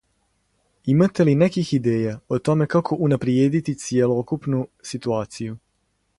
Имате ли неких идеја о томе како унаприједити цјелокупну ситуацију?